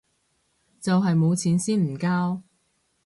就係冇錢先唔交